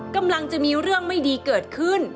กำลังจะมีเรื่องไม่ดีเกิดขึ้น